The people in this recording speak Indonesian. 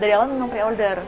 dari awal memang pre order